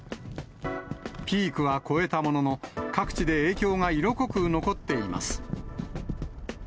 ピークは超えたものの、各地で影響が色濃く残っています。